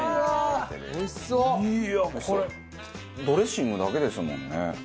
ドレッシングだけですもんね。